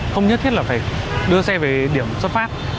không nhất thiết là phải đưa xe về điểm xuất phát